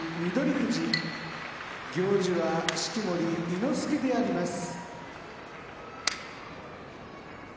富士行司は式守伊之助であります。